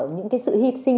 những sự hiệp sinh